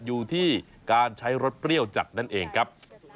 อยู่ที่การใช้รสเปรี้ยวจัดนั่นเองครับ